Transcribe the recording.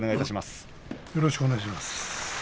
よろしくお願いします。